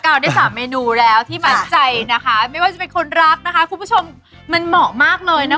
ได้สามเมนูแล้วที่มัดใจนะคะไม่ว่าจะเป็นคนรักนะคะคุณผู้ชมมันเหมาะมากเลยนะคะ